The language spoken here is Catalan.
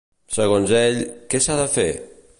Segons ell, què s'ha de fer?